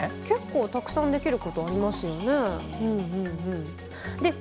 結構たくさんできることありますよね。